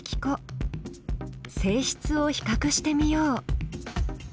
性質を比較してみよう。